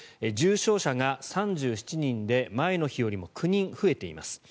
重症者が３７人で前の日よりも９人増えています。